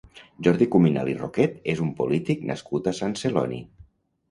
Jordi Cuminal i Roquet és un polític nascut a Sant Celoni.